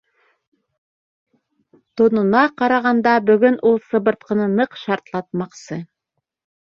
Тонына ҡарағанда бөгөн ул сыбыртҡыны ныҡ шартлатмаҡсы.